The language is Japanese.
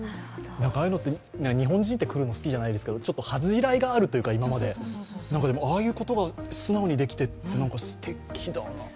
ああいうのって、日本人っていうのは好きじゃないですけど恥じらいがあるというか、でも、ああいうことが素直にできてすてきだな。